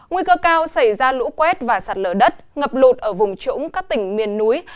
nguy cơ cao xảy ra lũ quét và sạt lở đất ngập lụt ở vùng trũng các tỉnh miền núi